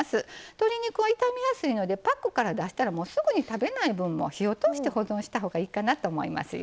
鶏肉は傷みやすいのでパックから出したらすぐに食べない分も火を通して保存したほうがいいかなと思いますよ。